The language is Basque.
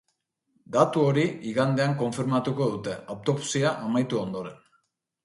Datu hori igandean konfirmatuko dute, autopsia amaitu ondoren.